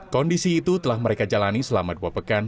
kondisi itu telah mereka jalani selama dua pekan